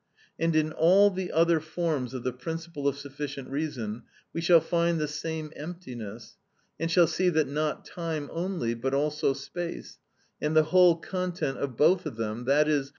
And in all the other forms of the principle of sufficient reason, we shall find the same emptiness, and shall see that not time only but also space, and the whole content of both of them, _i.e.